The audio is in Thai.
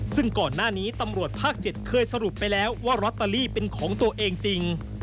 ซึ่งก่อนหน้านี้ตำรวจภาค๗เคยสรุปไปแล้วว่าลอตเตอรี่เป็นของตัวเองจริง